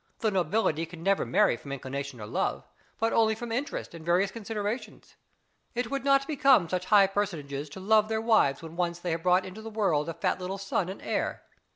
The nobility can never marry from inclination or love, but only from interest and various considerations; it would not become such high personages to love their wives when once they have brought into the world a fat little son and heir.